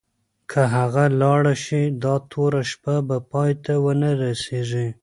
که هغه لاړه شي، دا توره شپه به پای ته ونه رسېږي.